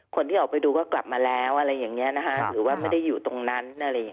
คนที่ออกไปดูก็กลับมาแล้วหรือว่าไม่ได้อยู่ตรงนั้น